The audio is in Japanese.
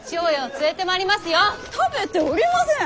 食べておりません！